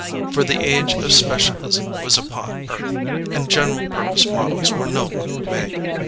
For the age of specialism was upon Earth, and General Purpose models were no longer made.